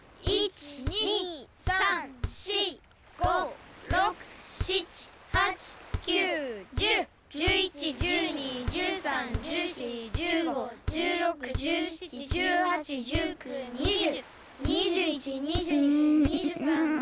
１２３４５６７８９１０１１１２１３１４１５１６１７１８１９２０。